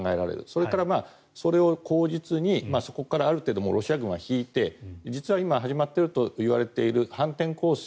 そして、これを口実にそこからある程度ロシア軍は引いて実は今始まっているといわれている反転攻勢